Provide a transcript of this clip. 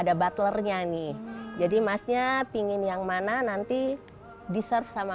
ruang sukarno dikatakan sebagai ruang utama